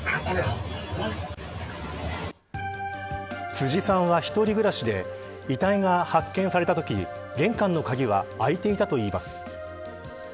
辻さんは一人暮らしで遺体が発見されたとき玄関の鍵は開いていたといいます。